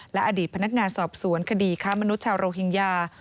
และอดีตพนักงานสอบสวนคดีค้ามนุษย์ชาวโรฮิงญา